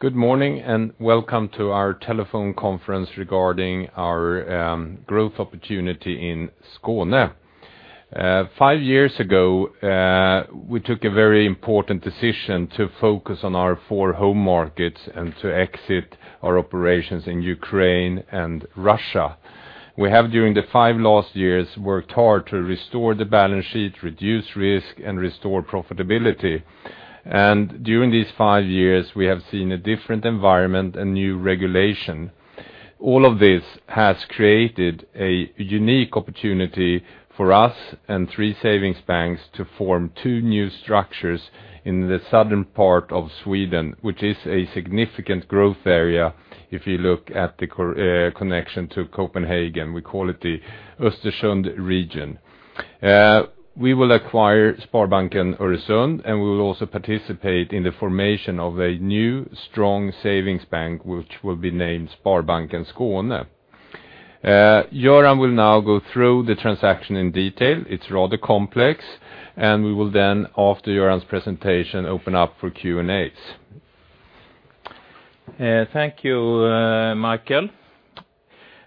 Good morning, and welcome to our telephone conference regarding our growth opportunity in Skåne. Five years ago, we took a very important decision to focus on our four home markets and to exit our operations in Ukraine and Russia. We have, during the five last years, worked hard to restore the balance sheet, reduce risk, and restore profitability. During these five years, we have seen a different environment and new regulation. All of this has created a unique opportunity for us and three savings banks to form two new structures in the southern part of Sweden, which is a significant growth area, if you look at the connection to Copenhagen. We call it the Öresund region. We will acquire Sparbanken Öresund, and we will also participate in the formation of a new, strong savings bank, which will be named Sparbanken Skåne. Göran will now go through the transaction in detail. It's rather complex, and we will then, after Göran's presentation, open up for Q&A. Thank you, Michael.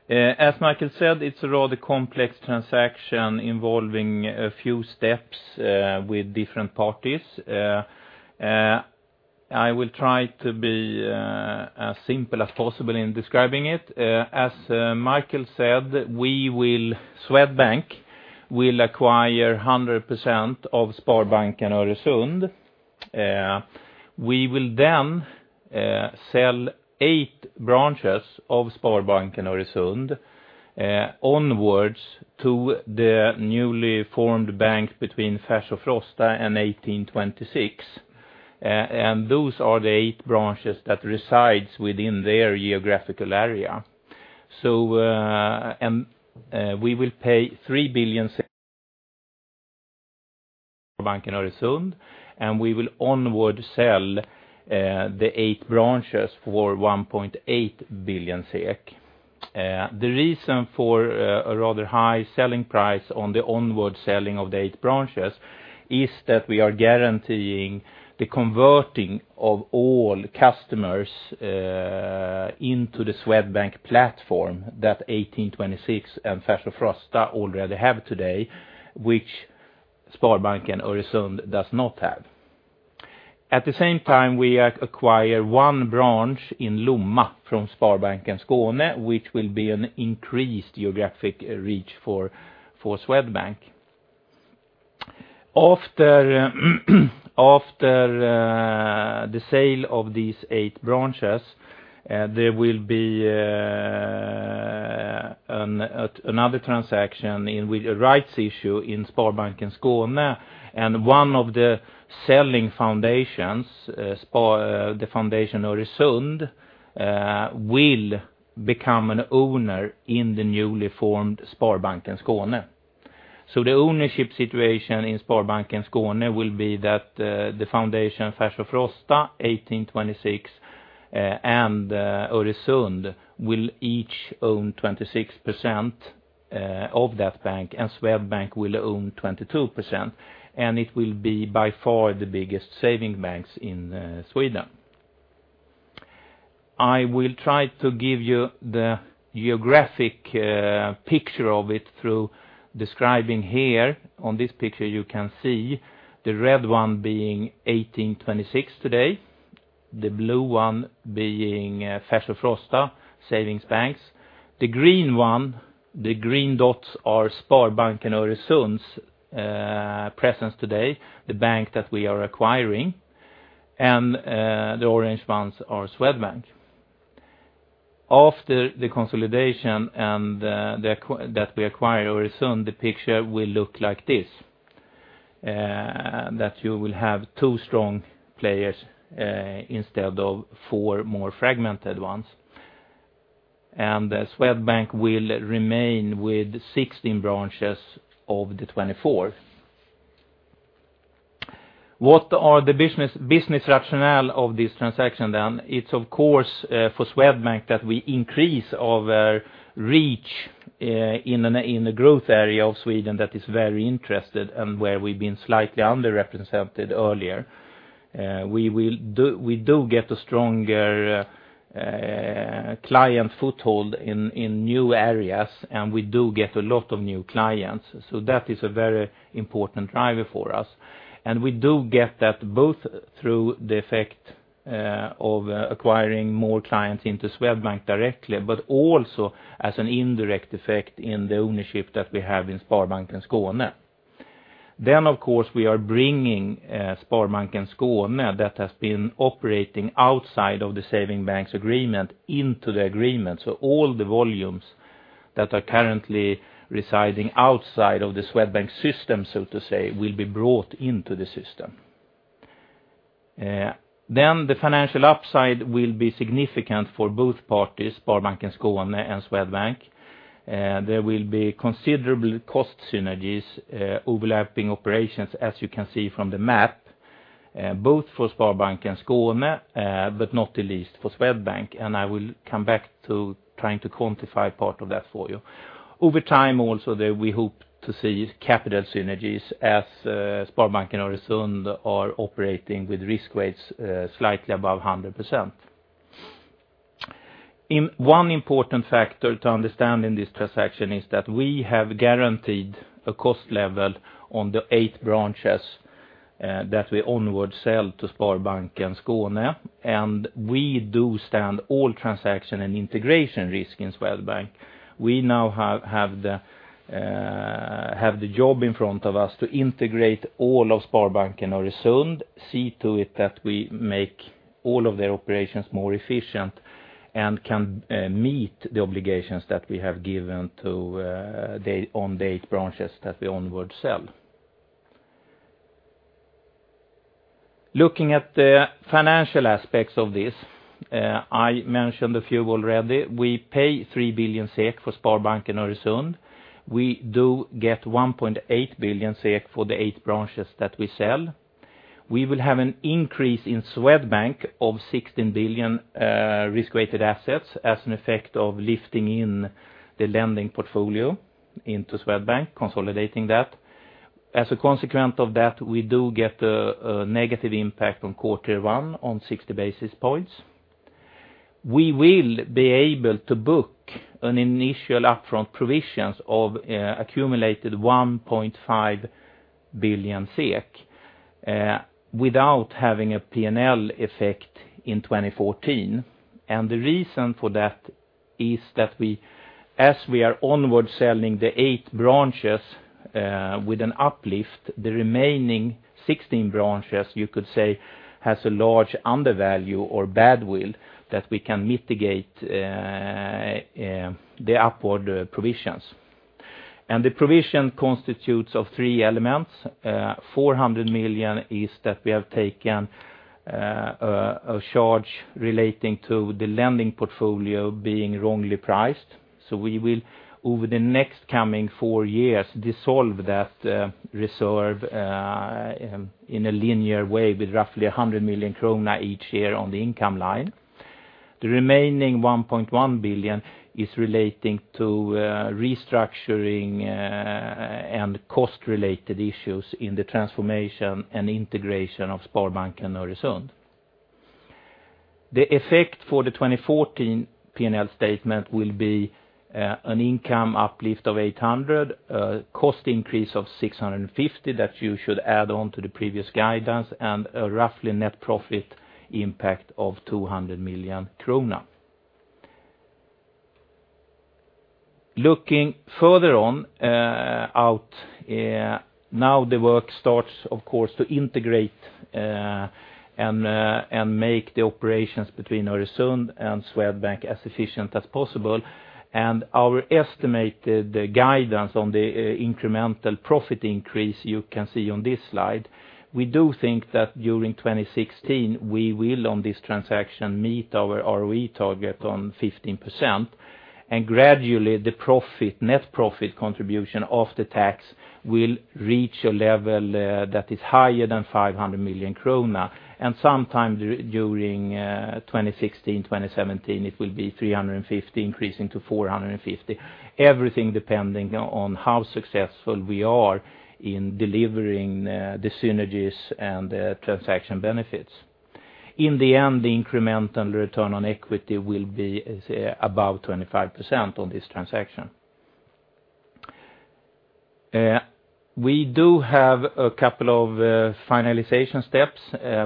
As Michael said, it's a rather complex transaction involving a few steps with different parties. I will try to be as simple as possible in describing it. As Michael said, Swedbank will acquire 100% of Sparbanken Öresund. We will then sell 8 branches of Sparbanken Öresund onwards to the newly formed bank between Färs & Frosta and 1826. Those are the 8 branches that reside within their geographical area. We will pay SEK 3 billion for Sparbanken Öresund, and we will onward sell the 8 branches for 1.8 billion SEK. The reason for a rather high selling price on the onward selling of the eight branches is that we are guaranteeing the converting of all customers into the Swedbank platform, that 1826 and Färs & Frosta already have today, which Sparbanken Öresund does not have. At the same time, we acquire one branch in Lomma from Sparbanken Skåne, which will be an increased geographic reach for Swedbank. After the sale of these eight branches, there will be a another transaction with a rights issue in Sparbanken Skåne, and one of the selling foundations, the Foundation Öresund, will become an owner in the newly formed Sparbanken Skåne. So the ownership situation in Sparbanken Skåne will be that, the, 1826, and Öresund will each oFoundation Färs & Frostawn 26%, of that bank, and Swedbank will own 22%, and it will be by far the biggest savings bank in, Sweden. I will try to give you the geographic, picture of it through describing here. On this picture, you can see the red one being 1826 today, the blue one being, Färs & Frosta savings bank. The green one, the green dots are Sparbanken Öresund's, presence today, the bank that we are acquiring, and, the orange ones are Swedbank. After the consolidation and the acquisition that we acquire Öresund, the picture will look like this. That you will have two strong players, instead of four more fragmented ones. And Swedbank will remain with 16 branches of the 24. What is the business rationale of this transaction then? It's of course for Swedbank that we increase our reach in a growth area of Sweden that is very interested and where we've been slightly underrepresented earlier. We do get a stronger client foothold in new areas, and we do get a lot of new clients, so that is a very important driver for us. And we do get that both through the effect of acquiring more clients into Swedbank directly, but also as an indirect effect in the ownership that we have in Sparbanken Skåne. Of course, we are bringing Sparbanken Skåne, that has been operating outside of the Savings Banks Agreement, into the agreement. So all the volumes that are currently residing outside of the Swedbank system, so to say, will be brought into the system. Then the financial upside will be significant for both parties, Sparbanken Skåne and Swedbank. There will be considerable cost synergies, overlapping operations, as you can see from the map, both for Sparbanken Skåne, but not the least for Swedbank, and I will come back to trying to quantify part of that for you. Over time also that we hope to see capital synergies as Sparbanken Öresund are operating with risk weights, slightly above 100%. One important factor to understand in this transaction is that we have guaranteed a cost level on the eight branches, that we onward sell to Sparbanken Skåne, and we do stand all transaction and integration risk in Swedbank. We now have the job in front of us to integrate all of Sparbanken Öresund, see to it that we make all of their operations more efficient, and can meet the obligations that we have given to the eight branches that we onward sell. Looking at the financial aspects of this, I mentioned a few already. We pay 3 billion SEK for Sparbanken Öresund. We do get 1.8 billion SEK for the eight branches that we sell. We will have an increase in Swedbank of 16 billion risk-weighted assets as an effect of lifting in the lending portfolio into Swedbank, consolidating that. As a consequence of that, we do get a negative impact on quarter one on 60 basis points. We will be able to book an initial upfront provisions of accumulated 1.5 billion SEK without having a P&L effect in 2014. The reason for that is that as we are onward selling the eight branches with an uplift, the remaining 16 branches, you could say, has a large undervalue or badwill that we can mitigate the upfront provisions. The provision constitutes of three elements. 400 million is that we have taken a charge relating to the lending portfolio being wrongly priced. So we will, over the next coming four years, dissolve that reserve in a linear way, with roughly 100 million krona each year on the income line. The remaining 1.1 billion is relating to restructuring and cost-related issues in the transformation and integration of Sparbanken Öresund. The effect for the 2014 P&L statement will be an income uplift of 800 million, cost increase of 650 million that you should add on to the previous guidance, and a roughly net profit impact of 200 million krona. Looking further out, now the work starts, of course, to integrate and make the operations between Öresund and Swedbank as efficient as possible. Our estimated guidance on the incremental profit increase you can see on this slide. We do think that during 2016, we will, on this transaction, meet our ROE target on 15%, and gradually, the profit, net profit contribution of the tax will reach a level that is higher than 500 million krona. Sometime during 2016, 2017, it will be 350, increasing to 450. Everything depending on how successful we are in delivering the synergies and the transaction benefits. In the end, the incremental return on equity will be, say, about 25% on this transaction. We do have a couple of finalization steps.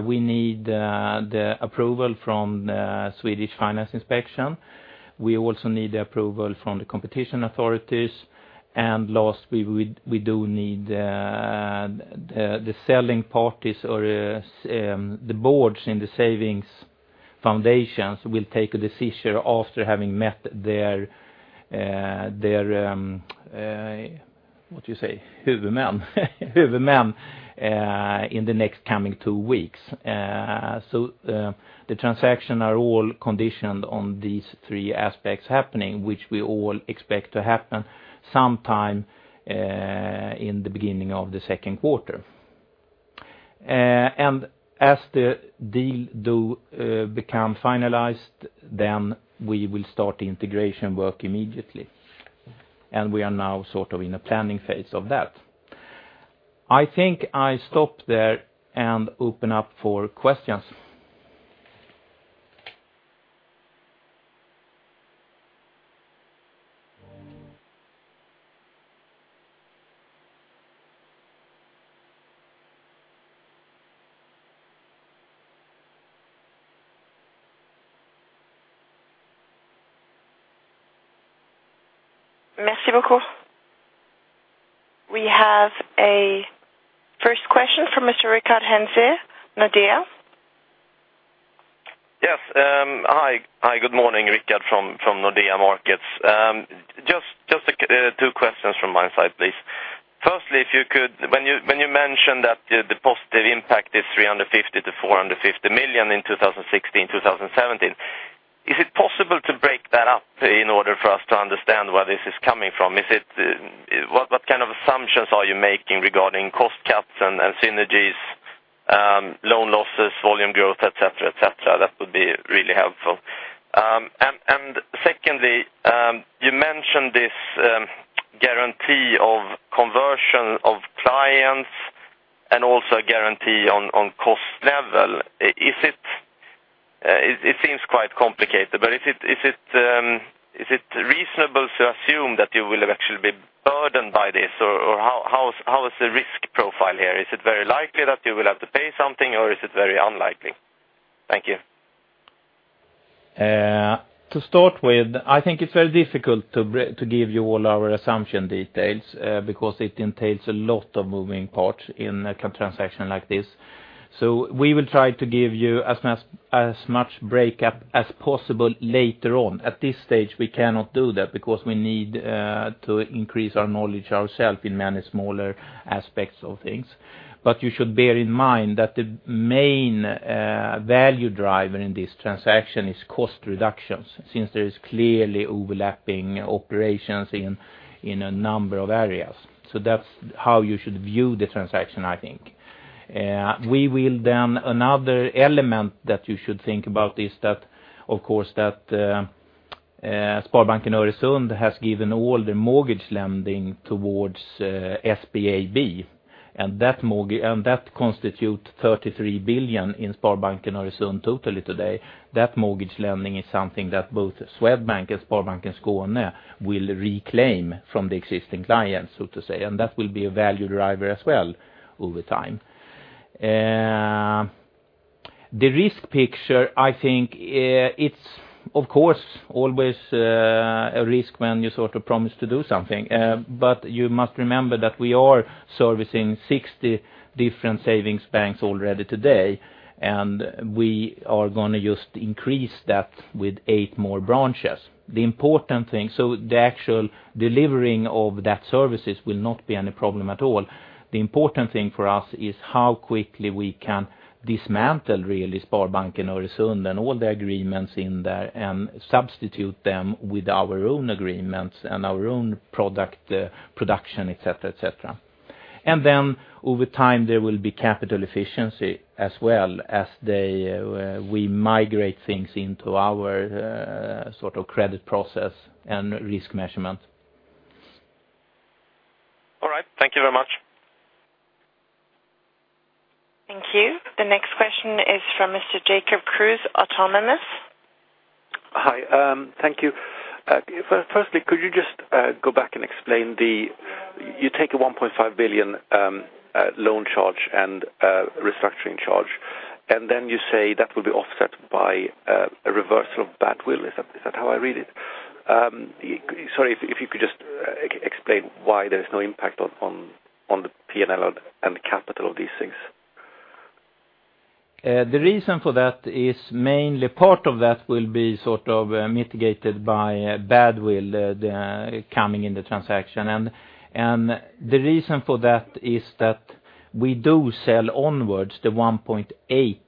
We need the approval from the Swedish Financial Supervisory Authority. We also need the approval from the competition authorities, and last, we do need the selling parties or the boards in the savings foundations will take a decision after having met their what do you say? Huvudmän. Huvudmän in the next coming two weeks. So the transaction are all conditioned on these three aspects happening, which we all expect to happen sometime in the beginning of the second quarter. And as the deal do become finalized, then we will start the integration work immediately, and we are now sort of in a planning phase of that. I think I stop there and open up for questions. Merci beaucoup. We have a first question from Mr. Rickard Henze, Nordea. Yes, hi, good morning, Rickard from Nordea Markets. Just two questions from my side, please. Firstly, if you could, when you mentioned that the positive impact is 350 million-450 million in 2016, 2017, is it possible to break that up in order for us to understand where this is coming from? What kind of assumptions are you making regarding cost cuts and synergies... loan losses, volume growth, et cetera, et cetera. That would be really helpful. And secondly, you mentioned this guarantee of conversion of clients and also a guarantee on cost level. It seems quite complicated, but is it reasonable to assume that you will actually be burdened by this? How is the risk profile here? Is it very likely that you will have to pay something, or is it very unlikely? Thank you. To start with, I think it's very difficult to give you all our assumption details, because it entails a lot of moving parts in a transaction like this. So we will try to give you as much, as much breakup as possible later on. At this stage, we cannot do that because we need to increase our knowledge ourselves in many smaller aspects of things. But you should bear in mind that the main value driver in this transaction is cost reductions, since there is clearly overlapping operations in, in a number of areas. So that's how you should view the transaction, I think. We will then... Another element that you should think about is that, of course, Sparbanken Öresund has given all the mortgage lending towards SBAB, and that constitute 33 billion in Sparbanken Öresund totally today. That mortgage lending is something that both Swedbank and Sparbanken Skåne will reclaim from the existing clients, so to say, and that will be a value driver as well over time. The risk picture, I think, it's, of course, always a risk when you sort of promise to do something. But you must remember that we are servicing 60 different savings banks already today, and we are gonna just increase that with eight more branches. The important thing, so the actual delivering of that services will not be any problem at all. The important thing for us is how quickly we can dismantle, really, Sparbanken Öresund and all the agreements in there and substitute them with our own agreements and our own product, production, et cetera, et cetera. And then over time, there will be capital efficiency as well as they, we migrate things into our, sort of credit process and risk measurement. All right. Thank you very much. Thank you. The next question is from Mr. Jacob Kruse, Autonomous. Hi, thank you. First, firstly, could you just go back and explain the... You take a 1.5 billion loan charge and restructuring charge, and then you say that will be offset by a reversal of badwill. Is that, is that how I read it? Sorry, if you could just explain why there is no impact on the PNL and the capital of these things. The reason for that is mainly part of that will be sort of mitigated by badwill coming in the transaction. And the reason for that is that we do sell onwards the 1.8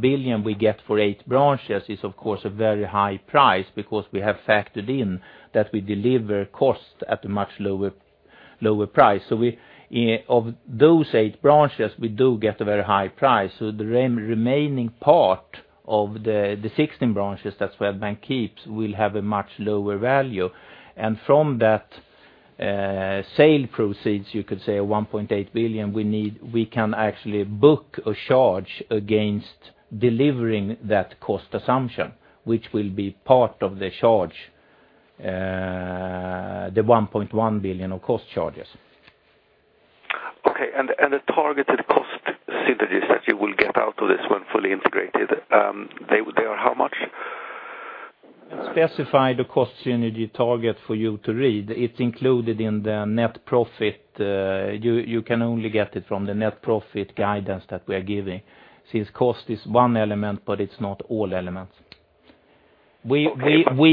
billion we get for eight branches is, of course, a very high price because we have factored in that we deliver cost at a much lower price. So of those eight branches, we do get a very high price. So the remaining part of the 16 branches that Swedbank keeps will have a much lower value. And from that sale proceeds, you could say 1.8 billion, we need, we can actually book a charge against delivering that cost assumption, which will be part of the charge, the 1.1 billion of cost charges. Okay, and the targeted cost synergies that you will get out of this when fully integrated, they are how much? Specify the cost synergy target for you to read; it's included in the net profit. You can only get it from the net profit guidance that we are giving, since cost is one element, but it's not all elements. We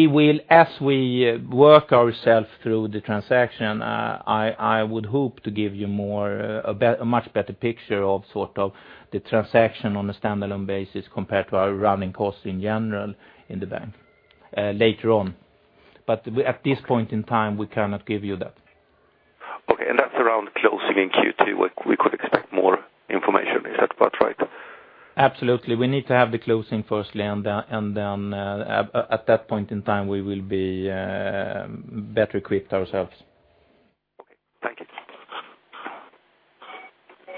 will, as we work ourselves through the transaction, I would hope to give you more, a much better picture of sort of the transaction on a standalone basis compared to our running costs in general in the bank, later on. But we, at this point in time, cannot give you that. Okay, and that's around closing in Q2, we, we could expect more information. Is that about right? Absolutely. We need to have the closing firstly, and then, and then, at that point in time, we will be better equipped ourselves. Okay. Thank you.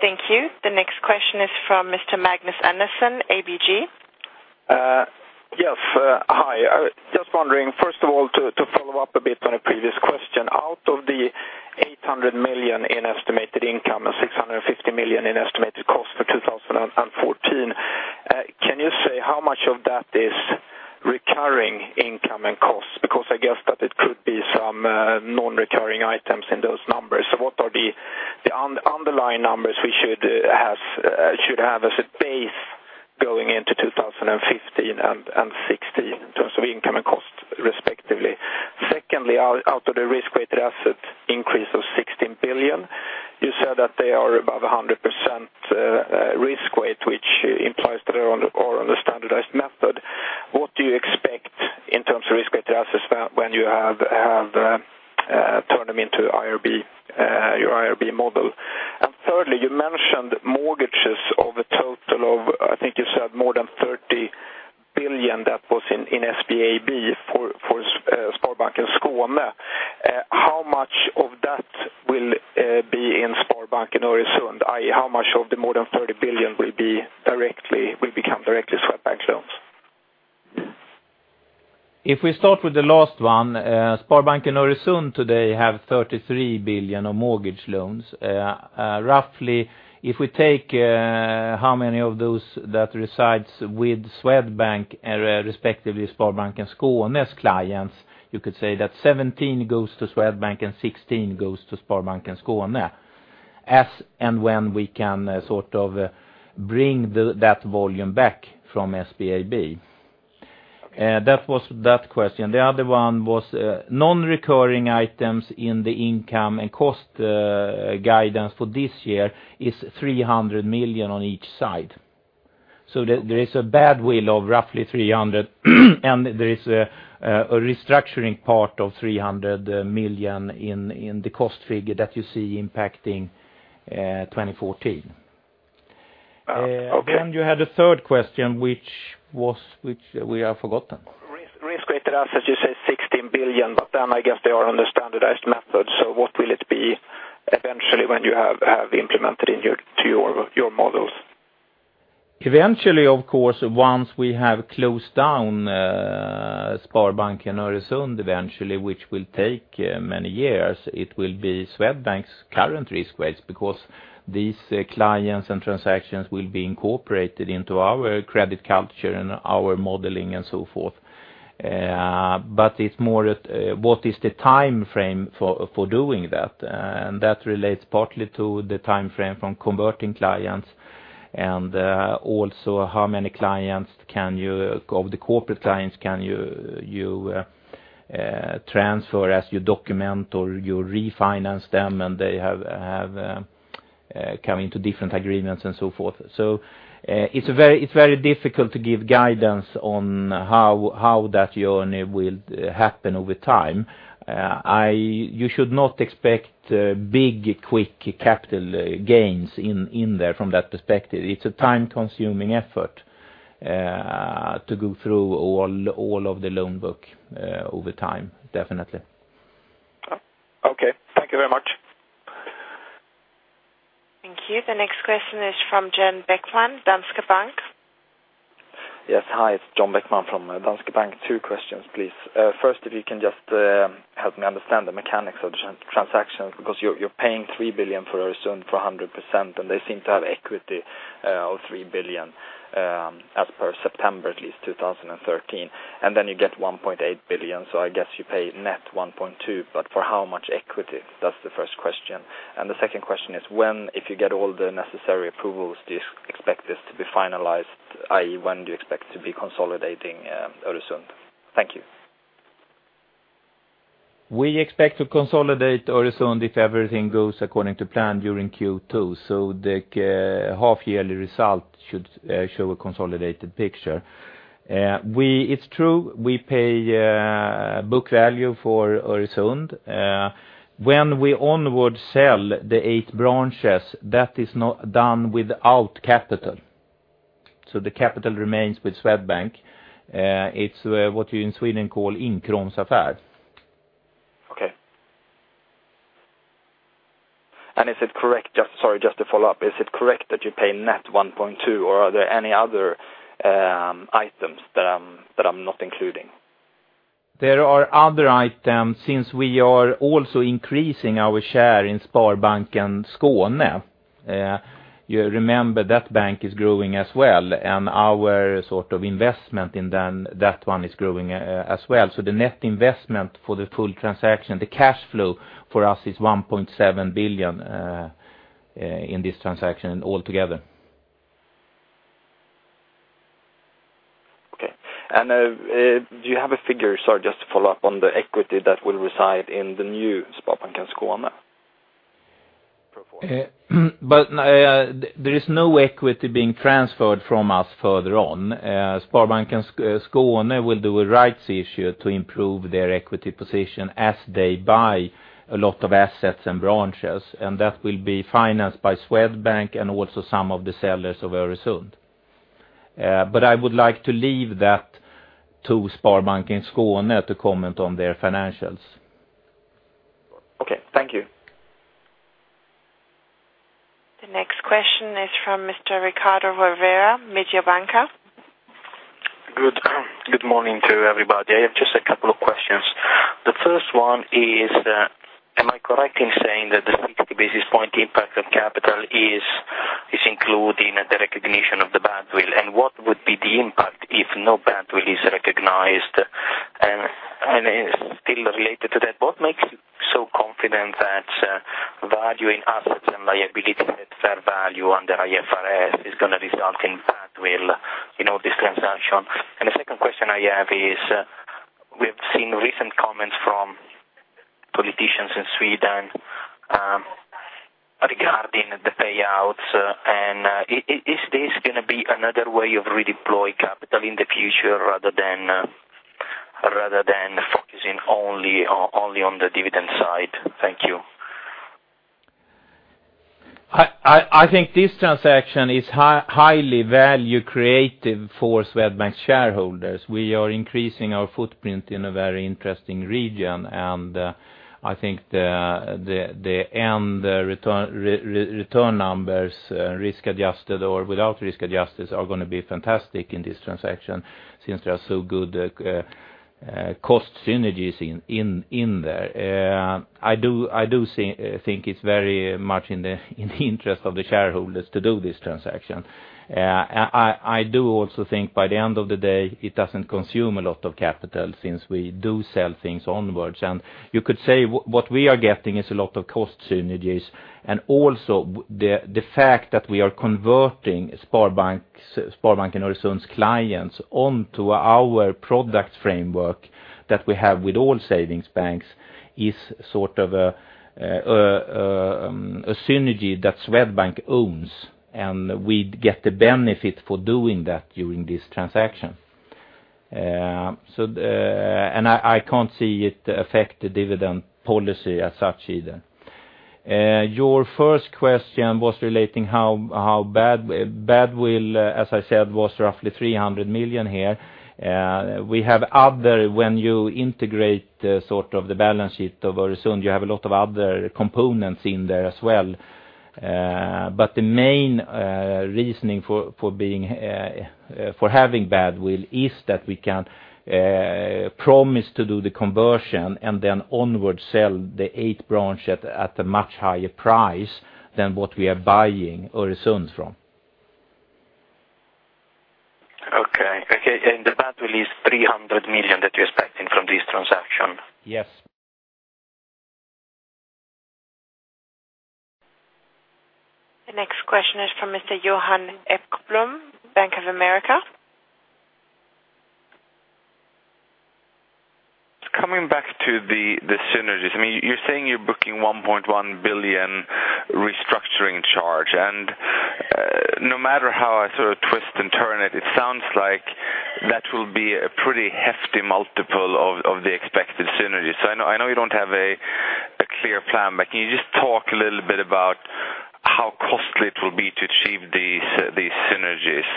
Thank you. The next question is from Mr. Magnus Andersson, ABG. Yes, hi. Just wondering, first of all, to follow up a bit on a previous question. Out of the 800 million in estimated income and 650 million in estimated cost for 2014, can you say how much of that is recurring income and costs? Because I guess that it could be some non-recurring items in those numbers. So what are the underlying numbers we should have as a base going into 2015 and 2016 in terms of income and cost, respectively. Secondly, out of the risk-weighted assets increase of 16 billion, you said that they are above 100% risk weight, which implies that they are on the standardized method. What do you expect-... You have turned them into IRB, your IRB model. And thirdly, you mentioned mortgages of a total of, I think you said more than 30 billion that was in SBAB for Sparbanken Skåne. How much of that will be in Sparbanken Öresund, i.e., how much of the more than 30 billion will become directly Swedbank loans? If we start with the last one, Sparbanken Öresund today have 33 billion of mortgage loans. Roughly, if we take how many of those that resides with Swedbank, respectively, Sparbanken Skåne's clients, you could say that 17 goes to Swedbank, and 16 goes to Sparbanken Skåne, as and when we can sort of bring that volume back from SBAB. That was that question. The other one was non-recurring items in the income and cost guidance for this year is 300 million on each side. So there is a badwill of roughly 300 million, and there is a restructuring part of 300 million in the cost figure that you see impacting 2014. Uh, okay. Then you had a third question, which was, which we have forgotten. Risk-weighted assets, you say 16 billion, but then I guess they are on the standardized method. So what will it be eventually, when you have implemented to your models? Eventually, of course, once we have closed down Sparbanken Öresund, eventually, which will take many years, it will be Swedbank's current risk rates because these clients and transactions will be incorporated into our credit culture and our modeling and so forth. But it's more at what is the timeframe for doing that? And that relates partly to the timeframe from converting clients, and also how many clients can you... Of the corporate clients, can you, you transfer as you document or you refinance them, and they have, have come into different agreements and so forth. So, it's very, it's very difficult to give guidance on how, how that journey will happen over time. I—you should not expect big, quick capital gains in there from that perspective. It's a time-consuming effort to go through all of the loan book over time, definitely. Okay. Thank you very much. Thank you. The next question is from Johan Bäckman, Danske Bank. Yes. Hi, it's John Bäckman from Danske Bank. Two questions, please. First, if you can just help me understand the mechanics of the transaction, because you're paying 3 billion for Öresund for 100%, and they seem to have equity of 3 billion as per September, at least 2013. And then you get 1.8 billion, so I guess you pay net 1.2 billion, but for how much equity? That's the first question. And the second question is, when, if you get all the necessary approvals, do you expect this to be finalized, i.e., when do you expect to be consolidating Öresund? Thank you. We expect to consolidate Öresund if everything goes according to plan during Q2, so the half-yearly result should show a consolidated picture. It's true, we pay book value for Öresund. When we onward sell the eight branches, that is not done without capital. So the capital remains with Swedbank. It's what you in Sweden call inkråmsaffär. Okay. And is it correct, just, sorry, just to follow up, is it correct that you pay net 1.2, or are there any other items that I'm not including? There are other items, since we are also increasing our share in Sparbanken Skåne. You remember that bank is growing as well, and our sort of investment in then, that one is growing, as well. So the net investment for the full transaction, the cash flow for us is 1.7 billion in this transaction altogether. Okay. And, do you have a figure, sorry, just to follow up on the equity that will reside in the new Sparbanken Skåne? There is no equity being transferred from us further on. Sparbanken Skåne will do a rights issue to improve their equity position as they buy a lot of assets and branches, and that will be financed by Swedbank and also some of the sellers of Öresund. I would like to leave that to Sparbanken Skåne to comment on their financials. Okay, thank you. The next question is from Mr. Riccardo Rovere, Mediobanca. Good morning to everybody. I have just a couple of questions. The first one is, am I correct in saying that the 60 basis point impact on capital is including the recognition of the badwill, and what would be the impact if no badwill is recognized? And still related to that, what makes you so confident that valuing assets and liabilities at fair value under IFRS is going to result in badwill in all this transaction? And the second question I have is, we have seen recent comments from politicians in Sweden... payouts, and is this going to be another way of redeploying capital in the future rather than focusing only on the dividend side? Thank you. I think this transaction is highly value creative for Swedbank shareholders. We are increasing our footprint in a very interesting region, and I think the return numbers, risk-adjusted or without risk-adjusted, are going to be fantastic in this transaction since they are so good, cost synergies in there. I think it's very much in the interest of the shareholders to do this transaction. I do also think by the end of the day, it doesn't consume a lot of capital since we do sell things onwards. You could say what we are getting is a lot of cost synergies, and also the fact that we are converting Sparbanken Öresund clients onto our product framework that we have with all savings banks is sort of a synergy that Swedbank owns, and we'd get the benefit for doing that during this transaction. So I can't see it affect the dividend policy as such either. Your first question was relating how bad goodwill, as I said, was roughly 300 million here. We have other when you integrate the sort of the balance sheet of Öresund, you have a lot of other components in there as well. But the main reasoning for having goodwill is that we can promise to do the conversion and then onwards sell the 8 branches at a much higher price than what we are buying Öresund from. Okay. Okay, and the Badwill is 300 million that you're expecting from this transaction? Yes. The next question is from Mr. Johan Ekblom, Bank of America. Coming back to the synergies. I mean, you're saying you're booking 1.1 billion restructuring charge, and no matter how I sort of twist and turn it, it sounds like that will be a pretty hefty multiple of the expected synergies. So I know you don't have a clear plan, but can you just talk a little bit about how costly it will be to achieve these synergies?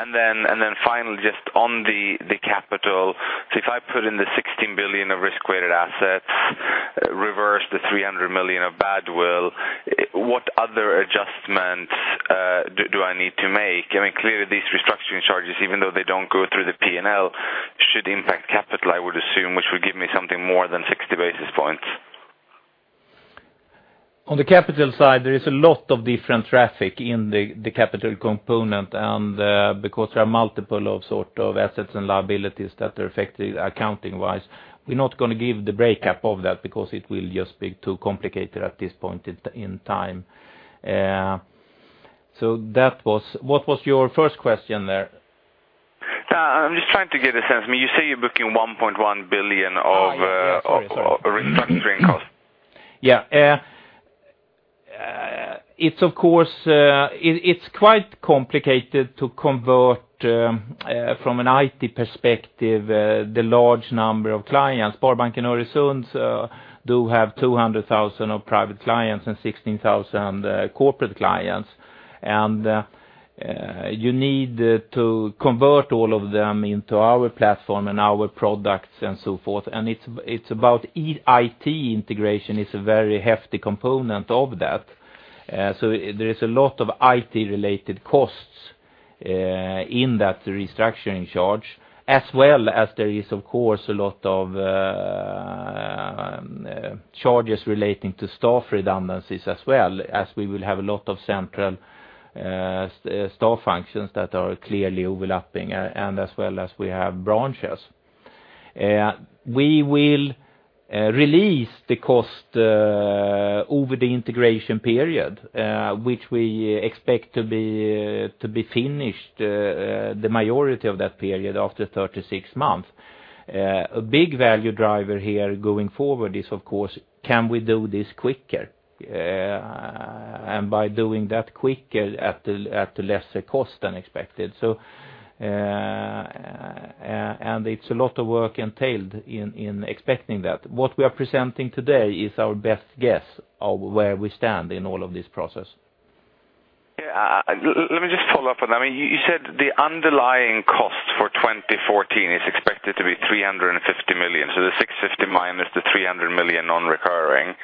And then finally, just on the capital. So if I put in the 16 billion of risk-weighted assets, reverse the 300 million of goodwill, what other adjustments do I need to make? I mean, clearly, these restructuring charges, even though they don't go through the P&L, should impact capital, I would assume, which would give me something more than 60 basis points. On the capital side, there is a lot of different traffic in the capital component, and because there are multiple of sort of assets and liabilities that are affected accounting-wise, we're not going to give the breakup of that because it will just be too complicated at this point in time. So that was. What was your first question there? I'm just trying to get a sense. I mean, you say you're booking 1.1 billion of, Oh, yes, sorry, sorry. Of restructuring costs. Yeah. It's, of course, it, it's quite complicated to convert from an IT perspective the large number of clients. Sparbanken Öresund do have 200,000 private clients and 16,000 corporate clients. And you need to convert all of them into our platform and our products and so forth, and it's, it's about IT integration is a very hefty component of that. So there is a lot of IT-related costs in that restructuring charge, as well as there is, of course, a lot of charges relating to staff redundancies as well, as we will have a lot of central staff functions that are clearly overlapping, and as well as we have branches. We will release the cost over the integration period, which we expect to be finished the majority of that period after 36 months. A big value driver here going forward is, of course, can we do this quicker? And by doing that quicker at a lesser cost than expected. So, and it's a lot of work entailed in expecting that. What we are presenting today is our best guess of where we stand in all of this process. Yeah, let me just follow up on that. I mean, you said the underlying cost for 2014 is expected to be 350 million, so the 650 minus the 300 million non-recurring.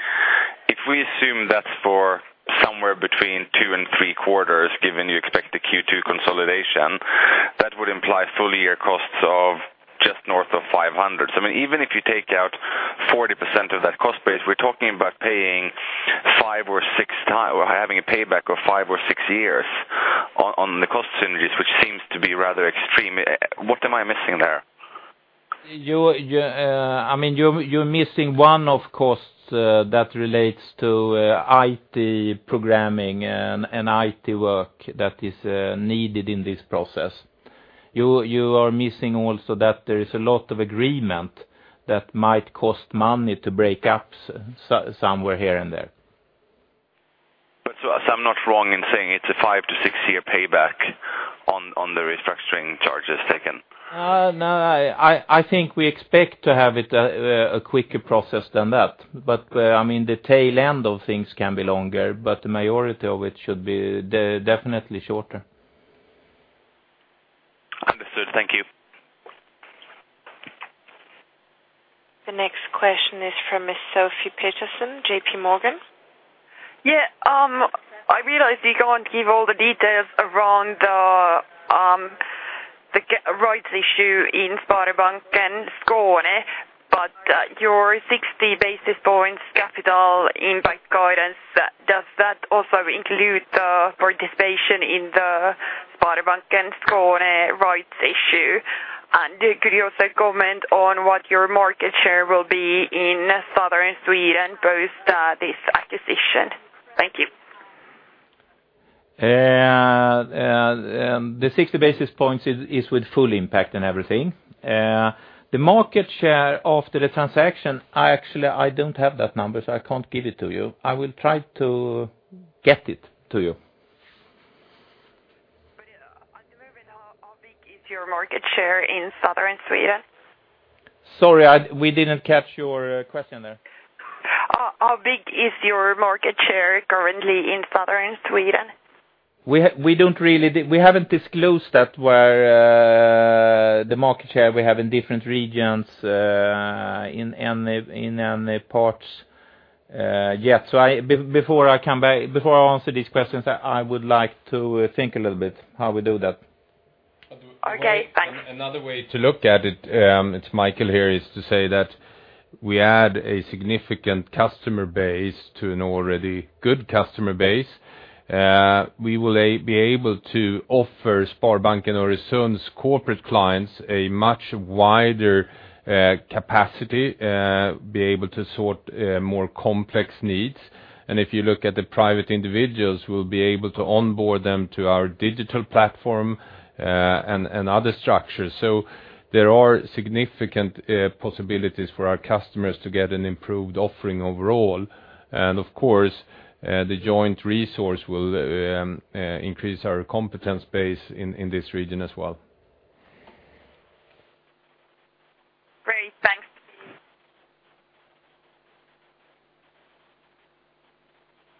If we assume that's for somewhere between two and three quarters, given you expect the Q2 consolidation, that would imply full-year costs of just north of 500 million. So I mean, even if you take out 40% of that cost base, we're talking about paying five or six times or having a payback of five or six years on the cost synergies, which seems to be rather extreme. What am I missing there? You, I mean, you're missing one of costs that relates to IT programming and IT work that is needed in this process... You are missing also that there is a lot of agreement that might cost money to break up somewhere here and there. So, as I'm not wrong in saying, it's a five to six years payback on the restructuring charges taken? No, I think we expect to have it a quicker process than that. But, I mean, the tail end of things can be longer, but the majority of it should be definitely shorter. Understood. Thank you. The next question is from Miss Sofie Peterzens, JP Morgan. Yeah, I realize you can't give all the details around the rights issue in Sparbanken Skåne, but your 60 basis points capital impact guidance, does that also include the participation in the Sparbanken Skåne rights issue? And could you also comment on what your market share will be in southern Sweden post this acquisition? Thank you. The 60 basis points is with full impact and everything. The market share after the transaction, I actually, I don't have that number, so I can't give it to you. I will try to get it to you. I'm wondering how big is your market share in southern Sweden? Sorry, we didn't catch your question there. How big is your market share currently in southern Sweden? We don't really, we haven't disclosed that, where the market share we have in different regions in parts yet. So, before I come back, before I answer these questions, I would like to think a little bit how we do that. Okay, thanks. Another way to look at it, it's Michael here, is to say that we add a significant customer base to an already good customer base. We will be able to offer Sparbanken and Öresund's corporate clients a much wider capacity, be able to sort more complex needs. And if you look at the private individuals, we'll be able to onboard them to our digital platform, and other structures. So there are significant possibilities for our customers to get an improved offering overall. And of course, the joint resource will increase our competence base in this region as well. Great. Thanks.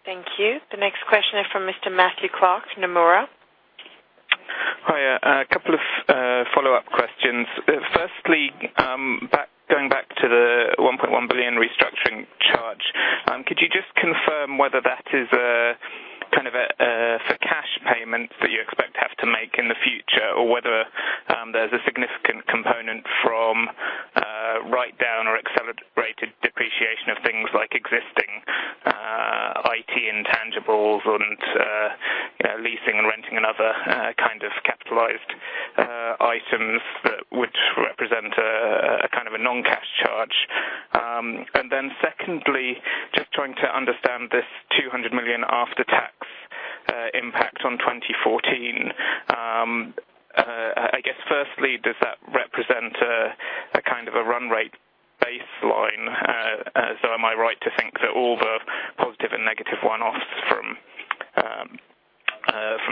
Thank you. The next question is from Mr. Matthew Clark, Nomura. Hi, a couple of follow-up questions. Firstly, back, going back to the 1.1 billion restructuring charge, could you just confirm whether that is a kind of a for cash payments that you expect to have to make in the future? Or whether there's a significant component from write-down or accelerated depreciation of things like existing IT intangibles and leasing and renting and other kind of capitalized items that would represent a kind of a non-cash charge? And then secondly, just trying to understand this 200 million after-tax impact on 2014. I guess, firstly, does that represent a kind of a run rate baseline? So am I right to think that all the positive and negative one-offs from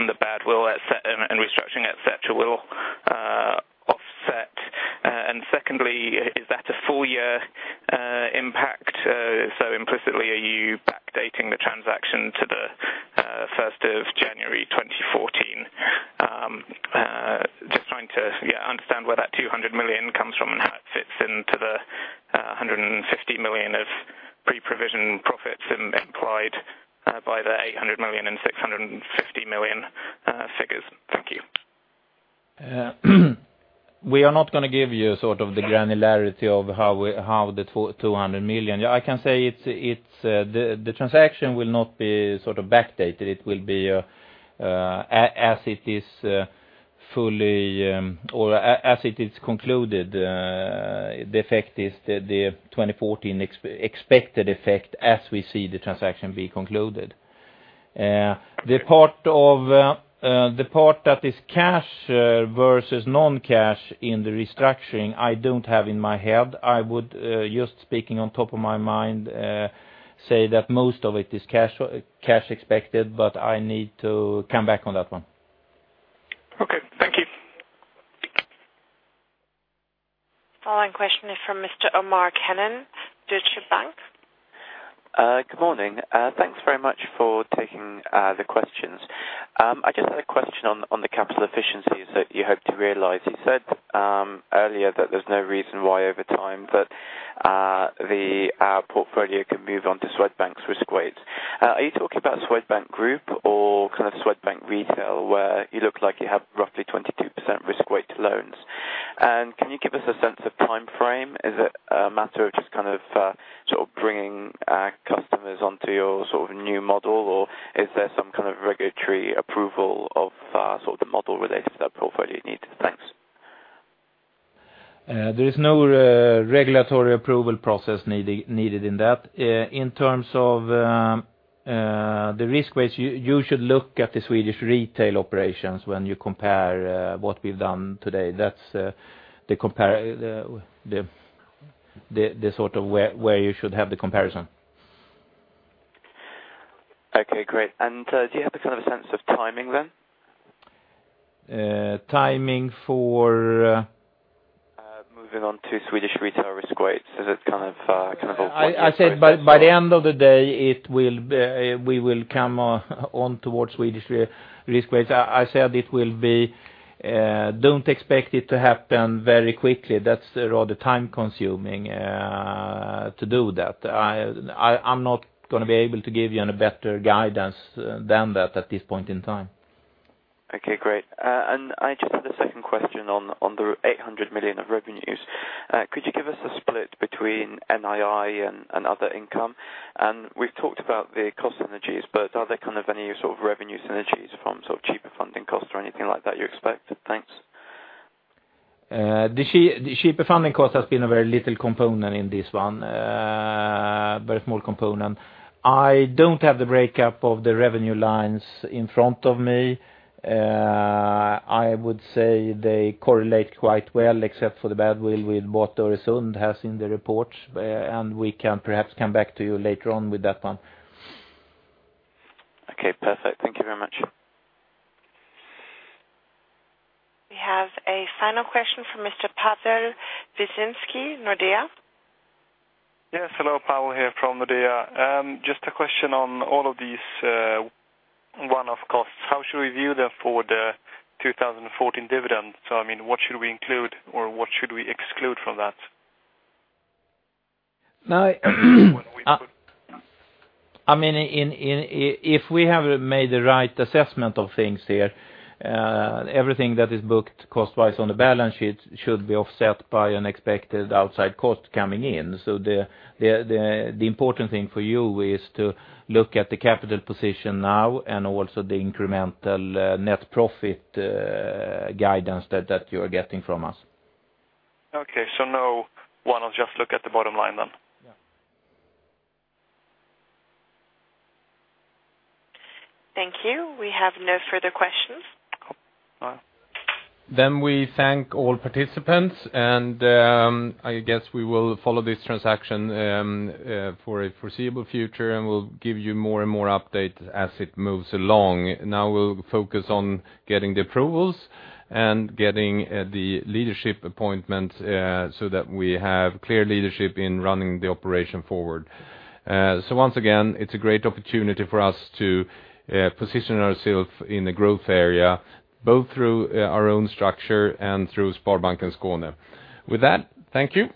the badwill asset and restructuring, et cetera, will offset? And secondly, is that a full year impact? So implicitly, are you backdating the transaction to the first of January, twenty fourteen? Just trying to, yeah, understand where that 200 million comes from and how it fits into the 150 million of pre-provision profits implied by the 800 million and 650 million figures. Thank you. We are not gonna give you sort of the granularity of how the 200 million. Yeah, I can say it's the transaction will not be sort of backdated. It will be as it is fully or as it is concluded, the effect is the 2014 expected effect as we see the transaction be concluded. The part that is cash versus non-cash in the restructuring, I don't have in my head. I would just speaking on top of my mind say that most of it is cash expected, but I need to come back on that one. Okay. Thank you. Following question is from Mr. Omar Keenan, Deutsche Bank. Good morning. Thanks very much for taking the questions. I just had a question on the capital efficiencies that you hope to realize. You said earlier that there's no reason why, over time, that the portfolio can move on to Swedbank's risk weights. Are you talking about Swedbank Group or kind of Swedbank Retail, where you look like you have roughly 22% risk-weighted loans? And can you give us a sense of timeframe? Is it a matter of just kind of sort of bringing customers onto your sort of new model, or is there some kind of regulatory approval of sort of the model where they step hopefully need? Thanks. There is no regulatory approval process needed in that. In terms of the risk weights, you should look at the Swedish retail operations when you compare what we've done today. That's the compare, the sort of where you should have the comparison. Okay, great. And, do you have a kind of a sense of timing then? Timing for, Moving on to Swedish retail risk weights, so that's kind of a- I said by the end of the day, it will be—we will come on towards Swedish re-risk weights. I said it will be... Don't expect it to happen very quickly. That's rather time consuming to do that. I, I'm not gonna be able to give you any better guidance than that, at this point in time. Okay, great. And I just had a second question on the 800 million of revenues. Could you give us a split between NII and other income? And we've talked about the cost synergies, but are there kind of any sort of revenue synergies from sort of cheaper funding costs or anything like that you expected? Thanks. The cheaper funding cost has been a very little component in this one, very small component. I don't have the breakup of the revenue lines in front of me. I would say they correlate quite well, except for the bad will, with what Öresund has in the report, and we can perhaps come back to you later on with that one. Okay, perfect. Thank you very much. We have a final question from Mr. Pavel Wyszynski, Nordea. Yes, hello, Pavel here from Nordea. Just a question on all of these, one-off costs. How should we view them for the 2014 dividend? So I mean, what should we include or what should we exclude from that? Now, I mean, if we have made the right assessment of things here, everything that is booked cost-wise on the balance sheet should be offset by unexpected outside cost coming in. So the important thing for you is to look at the capital position now and also the incremental net profit guidance that you are getting from us. Okay, so no one, I'll just look at the bottom line then? Yeah. Thank you. We have no further questions. Well. Then we thank all participants, and, I guess we will follow this transaction for a foreseeable future, and we'll give you more and more updates as it moves along. Now we'll focus on getting the approvals and getting the leadership appointments, so that we have clear leadership in running the operation forward. So once again, it's a great opportunity for us to position ourselves in a growth area, both through our own structure and through Sparbanken Skåne. With that, thank you.